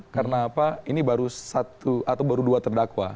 karena apa ini baru satu atau baru dua terdakwa